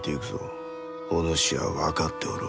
お主は分かっておろう？